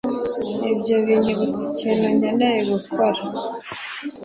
Ibyo binyibutsa ikintu nkeneye gukora